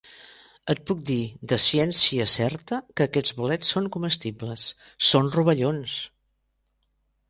Et puc dir de ciència certa que aquests bolets són comestibles. Són rovellons!